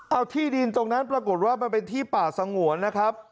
เอาที่ดินตรงนั้นปรากฏว่ามันเป็นที่ป่าสงวนนะครับ